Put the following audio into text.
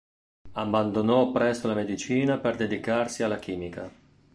Abbandonò presto la medicina per dedicarsi alla chimica.